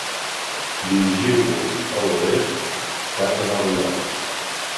Dirigiu-vos a l'oest cap a Nova York.